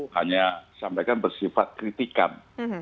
hanya disampaikan bersifat kritikan